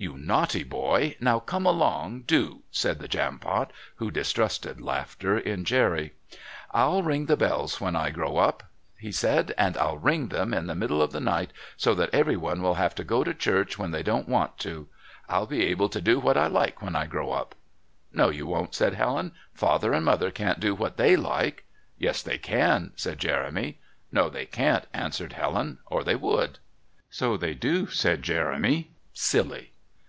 "You naughty boy; now come along, do," said the Jampot, who distrusted laughter in Jerry. "I'll ring the bells when I grow up," he said, "and I'll ring them in the middle of the night, so that everyone will have to go to church when they don't want to. I'll be able to do what I like when I grow up." "No, you won't," said Helen. "Father and Mother can't do what they like." "Yes they can," said Jeremy. "No they can't," answered Helen, "or they would." "So they do," said Jeremy "silly."